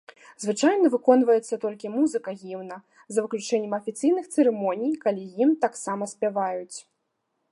Звычайна выконваецца толькі музыка гімна, за выключэннем афіцыйных цырымоній, калі гімн таксама спяваюць.